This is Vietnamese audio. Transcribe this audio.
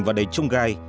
và đầy trông gai